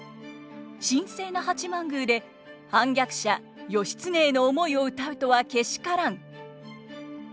「神聖な八幡宮で反逆者義経への思いを歌うとはけしからん」。